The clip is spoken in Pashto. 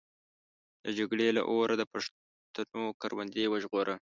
د جګړې له اوره د پښتنو کروندې وژغوره.